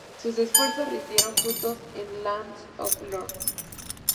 Sus esfuerzos rindieron frutos en "Lands of Lore".